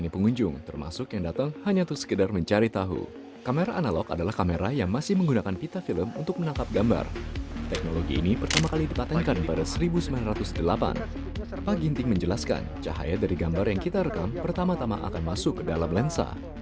pada tahun seribu sembilan ratus delapan pak ginting menjelaskan cahaya dari gambar yang kita rekam pertama tama akan masuk ke dalam lensa